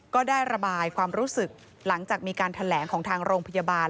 ก็ได้ระบายความรู้สึกหลังจากมีการแถลงของทางโรงพยาบาล